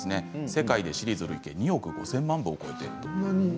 世界でシリーズ累計２億５０００万部を超えています。